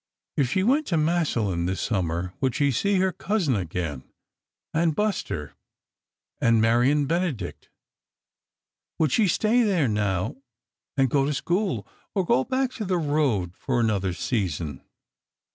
If she went to Massillon this summer, would she see her cousin again? And Buster, and Marion Benedict? Would she stay there, now, and go to school, or go back to the road for another season?